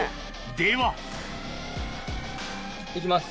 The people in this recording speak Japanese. では行きます。